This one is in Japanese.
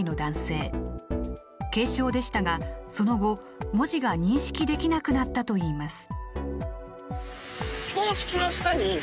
軽症でしたがその後文字が認識できなくなったといいます。